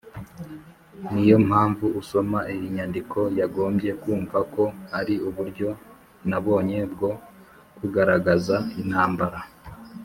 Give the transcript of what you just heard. niyo mpamvu, usoma iyi nyandiko yagombye kumva ko ari uburyo nabonye bwo kugaragaza intambara